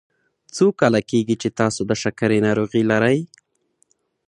څو کاله کیږي چې تاسو د شکرې ناروغي لری؟